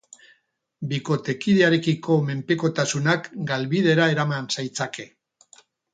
Bikotekidearekiko menpekotasunak galbidera eraman zaitzake.